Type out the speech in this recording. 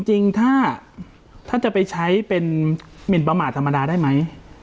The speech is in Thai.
จริงถ้าจะไปใช้เป็นหมินประมาทธรรมดาได้ไหม